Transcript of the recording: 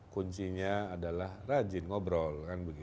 kuncinya adalah rajin ngobrol